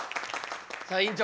さあ院長